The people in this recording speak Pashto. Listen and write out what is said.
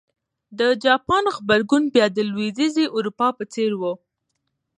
د جاپان غبرګون بیا د لوېدیځې اروپا په څېر و.